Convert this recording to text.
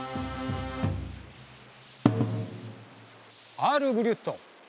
アールブリュット？